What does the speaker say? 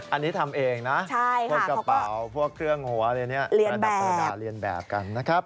อันนี้ทำเองนะพวกกระเป๋าพวกเครื่องหัวอะไรเนี่ยระดับธรรมดาเรียนแบบกันนะครับ